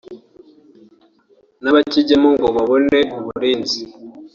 n’abakijyamo ngo babone uburinzi